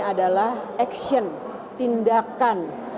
adalah action tindakan